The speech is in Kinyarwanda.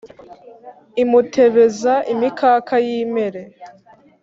Imutebeza imikaka yimere